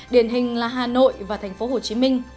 điển hình là hà nội và thành phố hồ chí minh